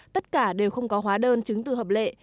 tất cả đều không có hóa đơn chứng từ hợp lệ